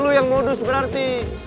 lo yang mudus berarti